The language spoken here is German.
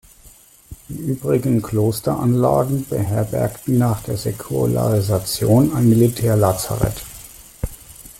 Die übrigen Klosteranlagen beherbergten nach der Säkularisation ein Militärlazarett.